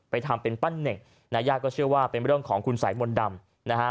ทำเป็นปั้นเน่งนายญาติก็เชื่อว่าเป็นเรื่องของคุณสายมนต์ดำนะฮะ